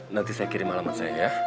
nanti saya kirim alamat saya ya